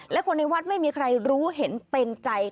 และคนในวัดไม่มีใครรู้เห็นเป็นใจ